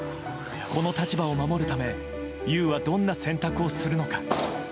この立場を守るため優はどんな選択をするのか。